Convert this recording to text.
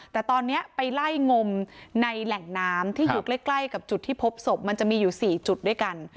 แต่ตอนนี้ไปไล่งมในแหล่งน้ำที่อยู่ใกล้กับจุดที่พบศพมันจะมีอยู่๔จุดด้วยกัน